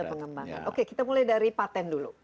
ada pengembangan oke kita mulai dari paten dulu